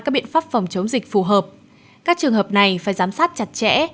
các biện pháp phòng chống dịch phù hợp các trường hợp này phải giám sát chặt chẽ